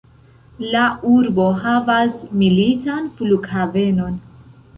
La urbo havas militan flughavenon.